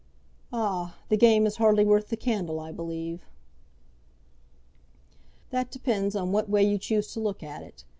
"Ah! the game is hardly worth the candle, I believe." "That depends on what way you choose to look at it.